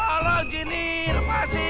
halal jin nih lemasin